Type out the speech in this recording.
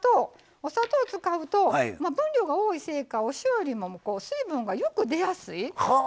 お砂糖、使うと分量が多いせいか、お塩よりも水分がよく出やすい。